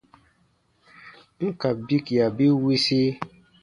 N ka bikia bi wisi,